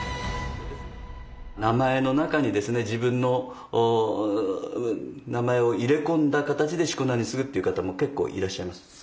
名前の中に自分の名前を入れ込んだ形でしこ名にするっていう方も結構いらっしゃいます。